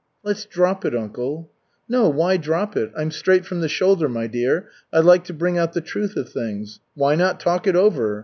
"Let's drop it, uncle." "No, why drop it? I'm straight from the shoulder, my dear, I like to bring out the truth of things. Why not talk it over?